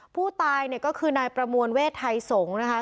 ผู้ตายเนี่ยก็คือนายประมวลเวทไทยสงฆ์นะคะ